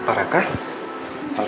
aku bilang aku nak pake ny parlament